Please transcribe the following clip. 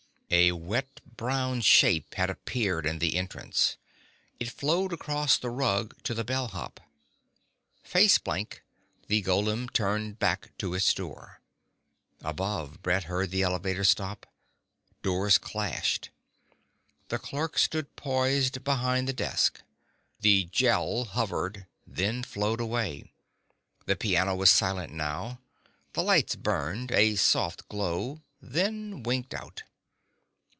A wet brown shape had appeared in the entrance. It flowed across the rug to the bellhop. Face blank, the golem turned back to its door. Above, Brett heard the elevator stop. Doors clashed. The clerk stood poised behind the desk. The Gel hovered, then flowed away. The piano was silent now. The lights burned, a soft glow, then winked out.